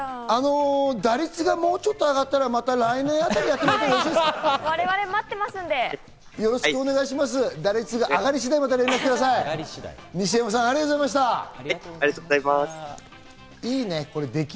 打率がもうちょっと上がったら、また来年あたりやってもらってよろしいですか？